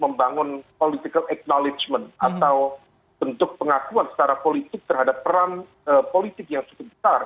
membangun political acknowledgement atau bentuk pengakuan secara politik terhadap peran politik yang cukup besar